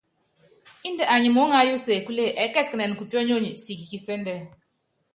Índɛ anyi muúŋayú usekúle, ɛɛ́kɛsikɛnɛn kupionyonyi siki kisɛ́ndɛ.